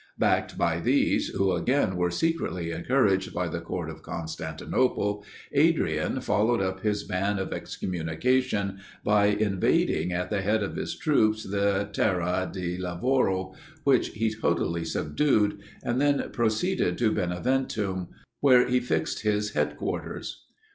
Backed by these, who again were secretly encouraged by the court of Constantinople, Adrian followed up his ban of excommunication, by invading at the head of his troops the Terra di Lavoro, which he totally subdued, and then proceeded to Beneventum, where he fixed his head quarters.